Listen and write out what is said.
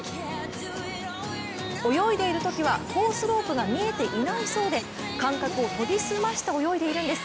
泳いでいるときはコースロープが見えていないそうで感覚を研ぎ澄まして泳いでいるんです。